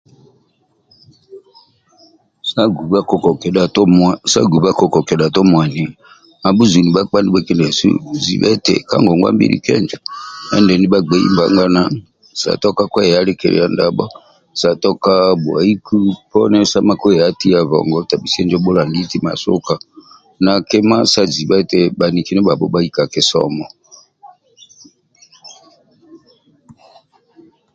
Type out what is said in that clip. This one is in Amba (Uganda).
Sa guba koko kedhatu mwani abhuzuni bhakpa ndibhekindiasu zibe eti ka ngongwa mbili kenjo endi bhagbei yayana sa toka kweyalikilia ndabho satoka bhuaiku sa makweyatia bono bhulangiti masuka na kima sa zibe eti bhaniki ndibhabho bhainka kisomo